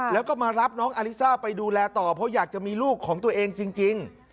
แล้วก็มารับน้องอลิซ่าไปดูแลต่อเพราะอยากจะมีลูกของตัวเองจริง